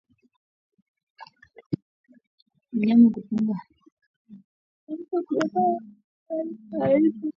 Mnyama kupungua uzito kutokana na ulaji hafifu